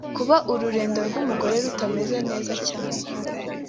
Kuba ururenda rw’umugore rutameze neza cyane